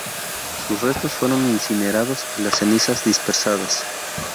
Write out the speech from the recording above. Sus restos fueron incinerados, y las cenizas dispersadas.